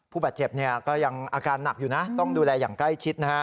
ผู้บาดเจ็บเนี่ยก็ยังอาการหนักอยู่นะต้องดูแลอย่างใกล้ชิดนะฮะ